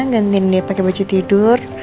gantiin dia pakai baju tidur